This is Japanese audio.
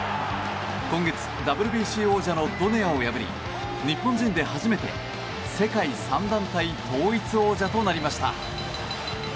今月、ＷＢＣ王者のドネアを破り日本人で初めて世界３団体統一王者となりました。